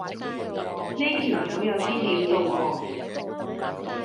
呢條友有啲料到喎